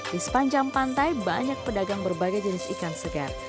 di sepanjang pantai banyak pedagang berbagai jenis ikan segar